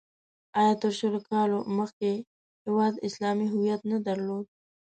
آیا تر شلو کالو مخکې هېواد اسلامي هویت نه درلود؟